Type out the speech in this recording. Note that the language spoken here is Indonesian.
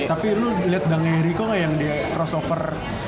tapi lu liat dangnya riko gak yang dia crossover